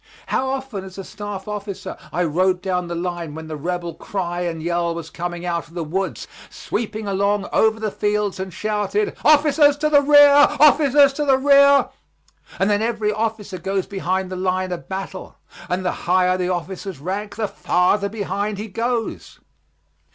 How often, as a staff officer, I rode down the line when the Rebel cry and yell was coming out of the woods, sweeping along over the fields, and shouted, "Officers to the rear! Officers to the rear!" and then every officer goes behind the line of battle, and the higher the officer's rank, the farther behind he goes.